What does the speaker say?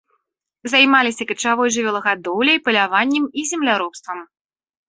Займаліся качавой жывёлагадоўляй, паляваннем і земляробствам.